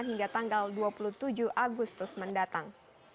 dan hingga tanggal dua puluh tujuh agustus mendatang